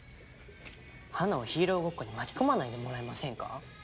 花をヒーローごっこに巻き込まないでもらえませんか？